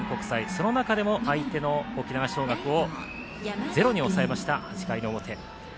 その中でも相手の沖縄尚学をゼロに抑えました８回の表。